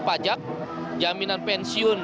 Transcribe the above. pajak jaminan pensiun